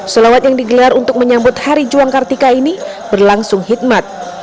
solawat yang digelar untuk menyambut hari juang kartika ini berlangsung hikmat